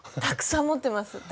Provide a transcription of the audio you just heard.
たくさん持ってます。